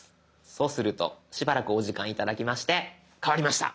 そうするとしばらくお時間頂きまして変わりました！